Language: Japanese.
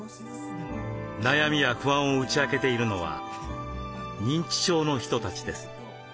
悩みや不安を打ち明けているのは認知症の人たちです。